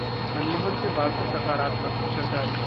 मनमोहन से वार्ता सकारात्मक: जरदारी